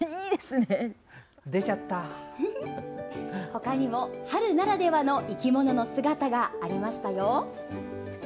ほかにも春ならではの生き物の姿がありましたよ。